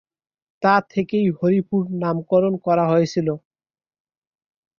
তা থেকেই হরিপুর নামকরণ করা হয়েছিল।